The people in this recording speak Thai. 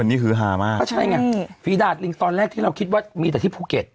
อันนี้คือฮามากก็ใช่ไงฝีดาดลิงตอนแรกที่เราคิดว่ามีแต่ที่ภูเก็ต